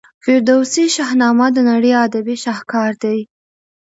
فردوسي شاهنامه د نړۍ ادبي شهکار دی.